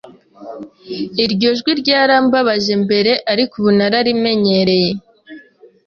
Iryo jwi ryarambabaje mbere, ariko ubu narabimenyereye.